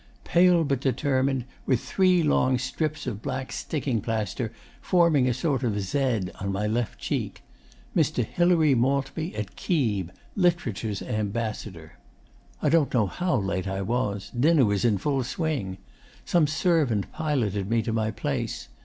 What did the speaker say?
Pale but determined, with three long strips of black sticking plaster forming a sort of Z on my left cheek. Mr. Hilary Maltby at Keeb. Literature's Ambassador. 'I don't know how late I was. Dinner was in full swing. Some servant piloted me to my place.